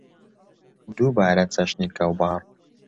دووبارە چەشنی کەوباڕ